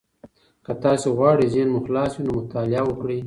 که تاسي غواړئ ذهن مو خلاص وي، نو مطالعه وکړئ.